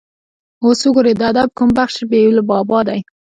اوس وګورئ د ادب کوم بخش بې له بابا دی.